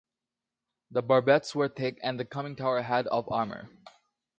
The barbettes were thick, and the conning tower had of armor.